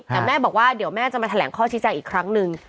แต่แม่บอกว่าเดี๋ยวแม่จะมาแถลงข้อชี้แจงอีกครั้งหนึ่ง